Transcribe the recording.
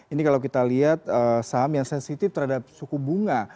ini kalau kita lihat saham yang sensitif terhadap suku bunga